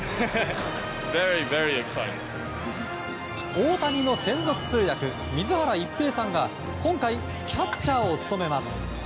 大谷の専属通訳水原一平さんが今回、キャッチャーを務めます。